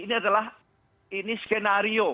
ini adalah skenario